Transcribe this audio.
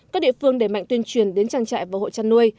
các địa phương đề mạnh tuyên truyền đến trang trại và hộ trăn nuôi